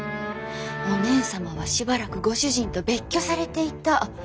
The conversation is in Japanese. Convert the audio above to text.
お姉様はしばらくご主人と別居されていた。